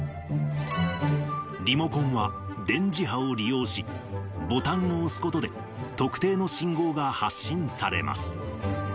リモコンは電磁波を利用し、ボタンを押すことで特定の信号が発信されます。